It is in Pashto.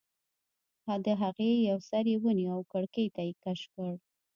د هغې یو سر یې ونیو او کړکۍ ته یې کش کړ